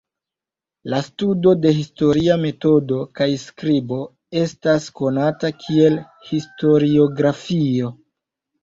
La studo de historia metodo kaj skribo estas konata kiel historiografio.